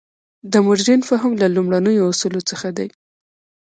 د مډرن فهم له لومړنیو اصولو څخه دی.